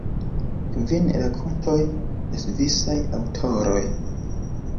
Kvin rakontoj de svisaj aŭtoroj.